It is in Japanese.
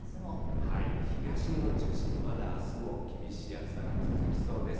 東日本中心にまだあすも厳しい暑さが続きそうです。